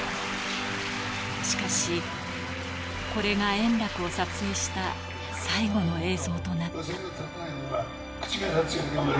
しかし、これが円楽を撮影した最後の映像となった。